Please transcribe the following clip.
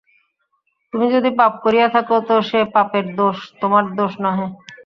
তুমি যদি পাপ করিয়া থাক তো সে পাপের দোষ, তোমার দোষ নহে।